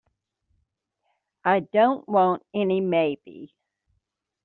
I don't want any maybe.